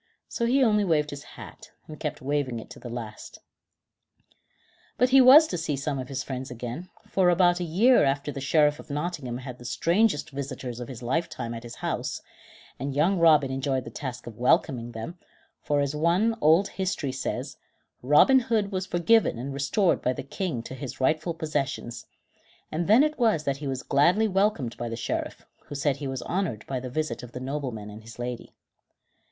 So he only waved his hat, and kept waving it to the last. But he was to see some of his friends again, for about a year after the Sheriff of Nottingham had the strangest visitors of his life time at his house, and young Robin enjoyed the task of welcoming them, for as one old history says, Robin Hood was forgiven and restored by the King to his rightful possessions, and then it was that he was gladly welcomed by the Sheriff, who said he was honored by the visit of the nobleman and his lady.